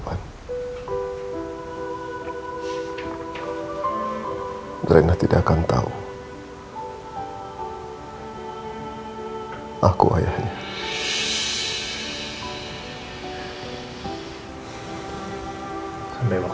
seing clotan beradik hasil awak serempak kalau saya ada semua bagian dari saya